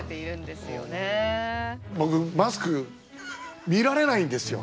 僕マスク見られないんですよ。